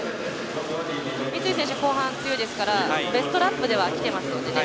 三井選手、後半強いですからベストラップではきていますので。